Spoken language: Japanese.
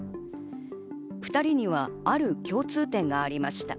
２人にはある共通点がありました。